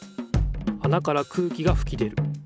あなから空気がふき出る。